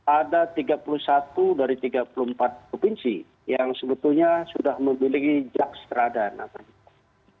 dua ribu dua puluh satu ada tiga puluh satu dari tiga puluh empat provinsi yang sebetulnya sudah memiliki jak strada namanya